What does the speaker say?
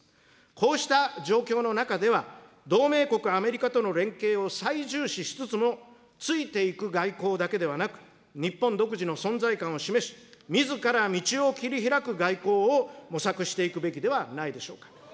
こうした状況の中では、同盟国アメリカとの連携を最重視しつつも、ついて行く外交だけではなく、日本独自の存在感を示し、みずから道を切り開く外交を模索していくべきではないでしょうか。